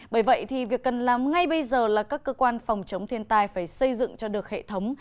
bởi vậy thì việc cần làm ngay bây giờ là các cơ quan phòng chống thiên tai phải xây dựng cho được hệ thống